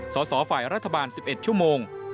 สสฝ่ายรัฐบาล๑๑ชั่วโมง